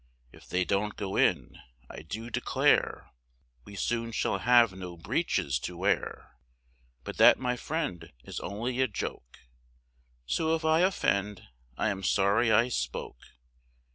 If they don't go in, I do declare, We soon shall have no breeches to wear, But that my friend is only a joke, So, if I offend, I am sorry I spoke.